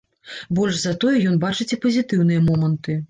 Больш за тое ён бачыць і пазітыўныя моманты.